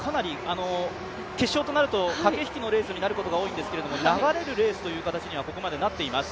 決勝となると駆け引きのレースになることが多いですが流れるレースという形にはここまでなっています。